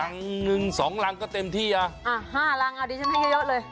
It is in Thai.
รังหนึ่งสองรังก็เต็มที่อ่ะอ่าห้ารังอ่ะดิฉันให้เยอะเลย